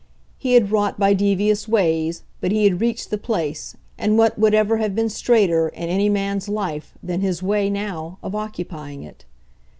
He had wrought by devious ways, but he had reached the place, and what would ever have been straighter, in any man's life, than his way, now, of occupying it?